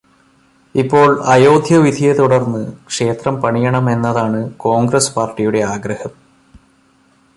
ഇപ്പോൾ അയോധ്യ വിധിയെ തുടര്ന്ന് ക്ഷേത്രം പണിയണം എന്നതാണ് കോൺഗ്രസ്സ് പാര്ടിയുടെ ആഗ്രഹം